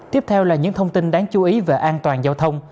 tiếp theo là những thông tin đáng chú ý về an toàn giao thông